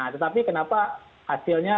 tetapi kenapa hasilnya